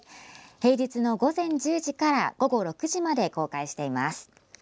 平日の午前１０時から午後６時まで公開しています。